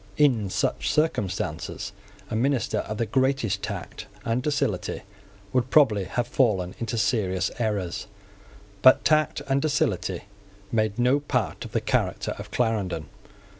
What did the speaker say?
In such circumstances, a minister of the greatest tact and docility would probably have fallen into serious errors. But tact and docility made no part of the character of Clarendon.